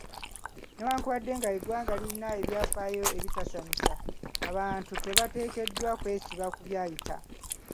Newankubadde ng'eggwanga lirina ebyafaayo ebitasanyusa, abantu tebateekeddwa kwesiba ku byayita.